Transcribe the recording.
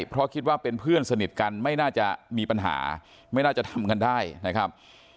เพราะคิดว่าเป็นเพื่อนสนิทกันไม่น่าจะมีปัญหาไม่น่าจะทำกันได้นะครับ